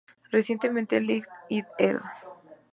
Recientemente, Leigh "et al.